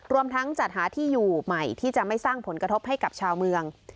รวมทั้งจัดหาที่อยู่ใหม่ที่จะไม่สร้างผลกระทบให้กับชาวเมือง